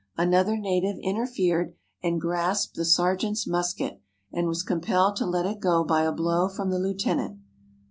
An other native interfered, and grasped the sergeant's musket, and was compelled to let it go by a blow from the lieutenant.